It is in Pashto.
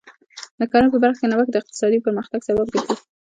د کرنې په برخه کې نوښت د اقتصادي پرمختګ سبب ګرځي.